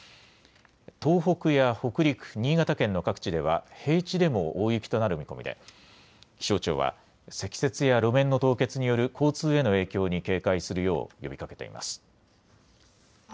東北や北陸、新潟県の各地では平地でも大雪となる見込みで気象庁は積雪や路面の凍結による交通への影響に警戒するよう呼びかけています。